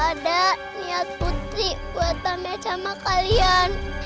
ada niat putri buat tanda sama kalian